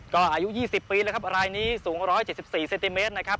ก็อายุยี่สิบปีนะครับรายนี้สูงร้อยเจ็ดสิบสี่เซนติเมตรนะครับ